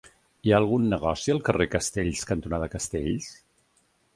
Hi ha algun negoci al carrer Castells cantonada Castells?